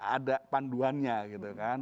ada panduannya gitu kan